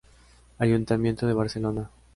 Ayuntamiento de Barcelona.